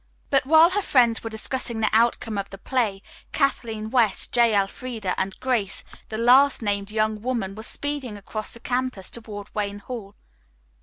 But while her friends were discussing the outcome of the play, Kathleen West, J. Elfreda and Grace, the last named young woman was speeding across the campus toward Wayne Hall.